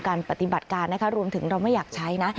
การปฏิบัติการนะคะรวมถึงเราไม่อยากใช้นะ